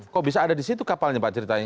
kok bisa ada di situ kapalnya pak ceritanya